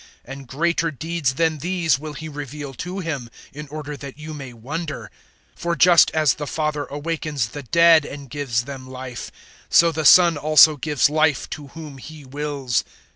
And greater deeds than these will He reveal to Him, in order that you may wonder. 005:021 For just as the Father awakens the dead and gives them life, so the Son also gives life to whom He wills.